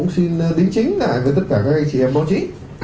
xin đến chính lại với tất cả các anh chị em báo chí